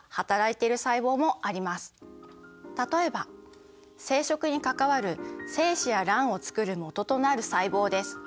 例えば生殖に関わる精子や卵をつくるもととなる細胞です。